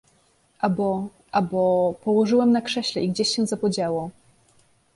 — A bo… a bo… położyłem na krześle i gdzieś się zapodziało.